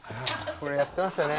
これやってましたね。